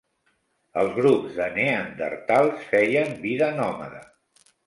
Els grups de neandertals feien vida nòmada,